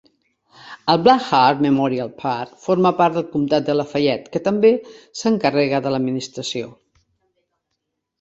El Blackhawk Memorial Park forma part del comtat de Lafayette, que també se n'encarrega de l'administració.